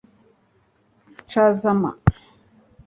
Chazama